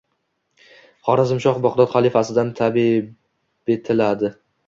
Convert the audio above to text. Xorazmshoh Bagʻdod xalifasidan tabibe tiladi